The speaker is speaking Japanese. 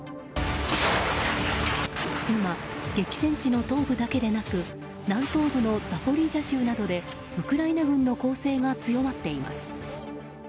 今、激戦地の東部だけでなく南東部のザポリージャ州などでウクライナ軍の攻勢が強まっています。